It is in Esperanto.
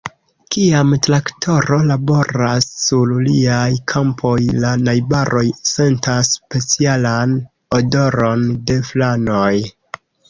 Kiam traktoro laboras sur liaj kampoj, la najbaroj sentas specialan odoron de flanoj.